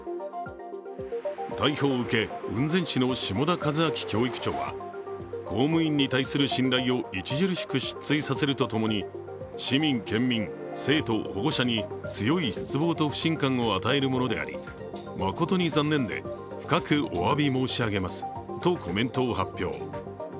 逮捕を受け雲仙市の下田和章教育長は、公務員に対する信頼を著しく失墜させるとともに、市民、県民、生徒、保護者に強い失望と不信感を与えるものであり誠に残念で深くおわび申し上げますとコメントを発表。